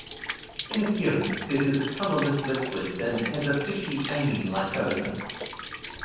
In appearance, it is a colorless liquid and has a "fishy", amine-like odor.